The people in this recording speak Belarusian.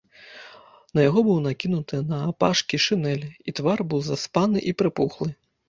На яго быў накінуты наапашкі шынель, і твар быў заспаны і прыпухлы.